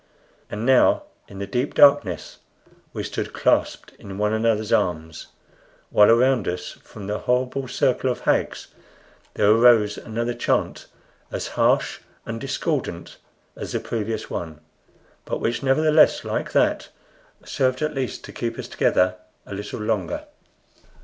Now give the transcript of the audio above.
And now in the deep darkness we stood clasped in one another's arms; while around us, from the horrible circle of hags, there arose another chant as harsh and discordant as the previous one, but which, nevertheless, like that, served at least to keep us together a little longer.